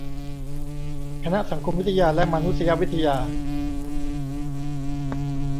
คณะสังคมวิทยาและมานุษยวิทยา